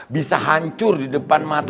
bisa hancur di depan mata